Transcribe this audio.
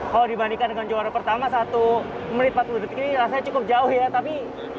kalau dibandingkan dengan juara pertama satu menit empat puluh detik ini rasanya cukup jauh ya tapi